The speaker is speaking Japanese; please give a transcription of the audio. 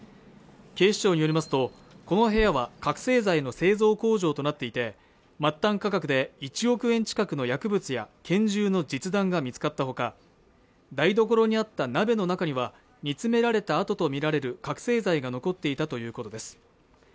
警視庁によりますとこの部屋は覚醒剤の製造工場となっていて末端価格で１億円近くの薬物や拳銃の実弾が見つかったほか台所にあった鍋の中にはに詰められたあとと見られる覚醒剤が残っていたということです